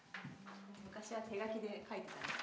昔は手書きで書いてたんです。